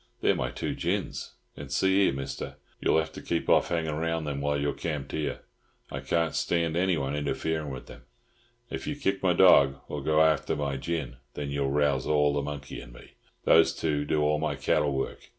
They're my two gins. And see here, Mister, you'll have to keep off hangin' round them while you're camped here. I can't stand anyone interferin' with them. If you kick my dorg, or go after my gin, then you rouse all the monkey in me. Those two do all my cattle work.